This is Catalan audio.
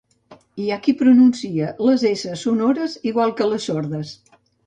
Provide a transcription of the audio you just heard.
Hi ha qui pronuncia les esses sonores igual que les sordes